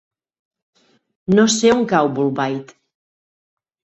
No sé on cau Bolbait.